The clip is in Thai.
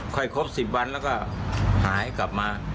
ครบ๑๐วันแล้วก็หายกลับมา